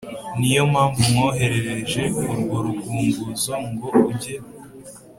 niyompamvu nkoherereje urwo rugunguzo ngo ujye